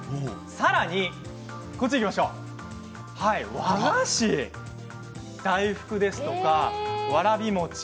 さらに和菓子大福ですとかわらび餅。